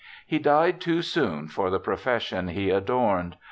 He died too soon for the profession he adorned.